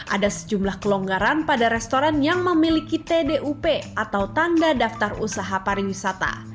ada sejumlah kelonggaran pada restoran yang memiliki tdup atau tanda daftar usaha pariwisata